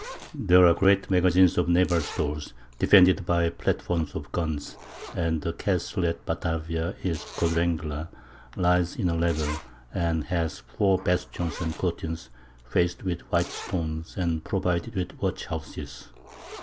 There are great Magazines of Naval Stores, defended by Platforms of Guns; and the Castle at Batavia is Quadrangular, lies in a Level, and has 4 Bastions and Courtins, fac'd with white Stones, and provided with Watch houses.